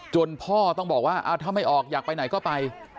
พ่อต้องบอกว่าถ้าไม่ออกอยากไปไหนก็ไป